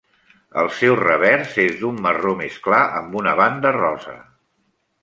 El seu revers és d'un marró més clar amb una banda rosa.